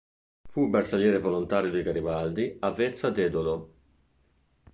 Fu bersagliere volontario di Garibaldi a Vezza d'Edolo.